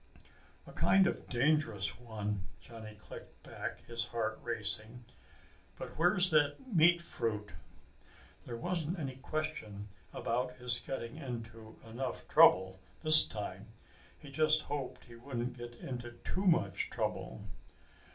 "A kind of dangerous one," Johnny clicked back, his heart racing. "But where's that meat fruit?" There wasn't any question about his getting into enough trouble this time. He just hoped he wouldn't get into too much trouble!